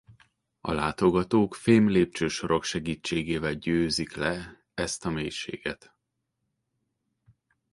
A látogatók fém lépcsősorok segítségével győzik le ezt a mélységet.